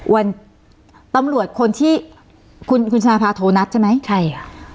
วันตำรวจคนที่คุณคุณชาพาโทรนัดใช่ไหมใช่ค่ะ